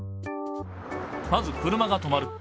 まず車が止まる。